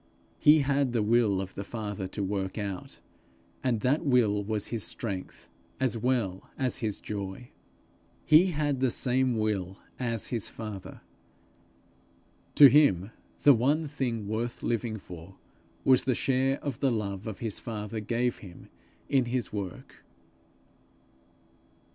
He had the will of the Father to work out, and that will was his strength as well as his joy. He had the same will as his father. To him the one thing worth living for, was the share the love of his father gave him in his work.